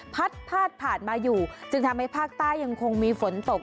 พัดพาดผ่านมาอยู่จึงทำให้ภาคใต้ยังคงมีฝนตก